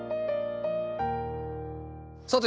さて